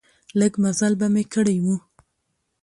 لږ مزل به مې کړی و.